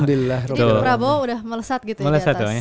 ini pak prabowo udah melesat gitu ya di atas